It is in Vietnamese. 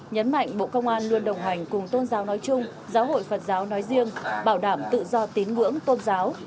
nhấn mạnh bộ công an luôn đồng hành cùng tôn giáo nói chung giáo hội phật giáo nói riêng bảo đảm tự do tín ngưỡng tôn giáo